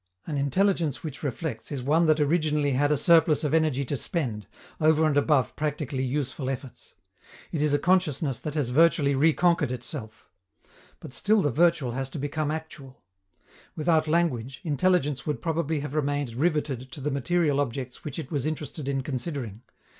An intelligence which reflects is one that originally had a surplus of energy to spend, over and above practically useful efforts. It is a consciousness that has virtually reconquered itself. But still the virtual has to become actual. Without language, intelligence would probably have remained riveted to the material objects which it was interested in considering.